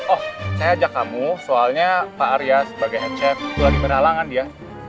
oh saya ajak kamu soalnya pak arya sebagai head chef itu lagi beralangan ya